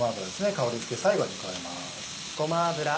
香りづけ最後に加えます。